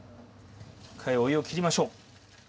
一回お湯をきりましょう。